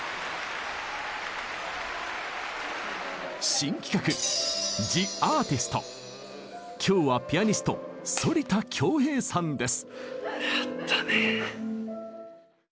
新企画今日はピアニスト反田恭平さんです。